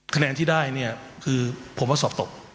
แค่แน่นที่ได้คือผมว่าสอบตก